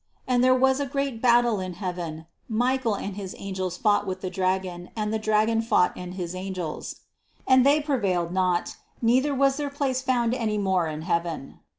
7. And there was a great battle in heaven ; Michael and his angels fought with the dragon and the dragon fought and his angels. 93 94 CITY OF GOD 8. And they prevailed not, neither was their place found any more in heaven.